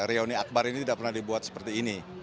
reuni akbar ini tidak pernah dibuat seperti ini